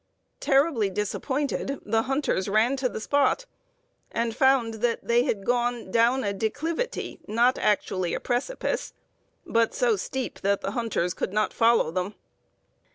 "Terribly disappointed, the hunters ran to the spot, and found that they had gone down a declivity, not actually a precipice, but so steep that the hunters could not follow them.